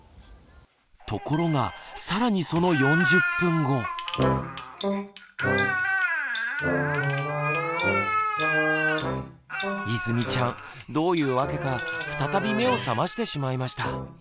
ところが更にそのいずみちゃんどういうわけか再び目を覚ましてしまいました。